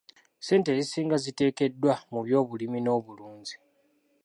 Ssente ezisinga ziteekeddwa mu byobulimi n'obulunzi.